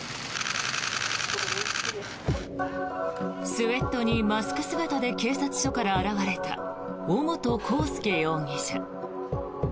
スウェットにマスク姿で警察署から現れた尾本幸祐容疑者。